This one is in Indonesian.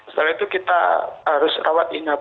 setelah itu kita harus rawat inap